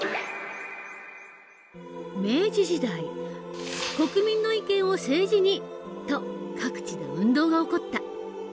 明治時代「国民の意見を政治に！」と各地で運動が起こった。